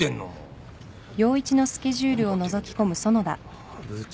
あ部長